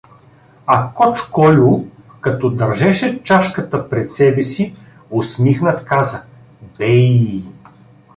А Гьоч Кольо, като държеше чашката пред себе си, усмихнат, каза: — Бей!